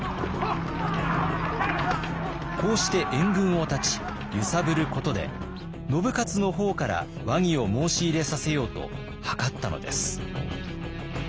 こうして援軍を断ち揺さぶることで信雄の方から和議を申し入れさせようと謀ったのです。